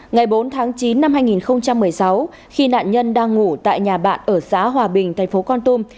ngày bốn tháng chín năm hai nghìn một mươi sáu khi nạn nhân đang ngủ tại nhà bạn ở xã hòa bình thành phố con tum